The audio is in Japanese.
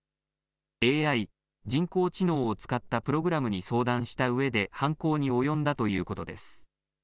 ＡＩ・人工知能を使ったプログラムに相談したうえで犯行に及んだということです。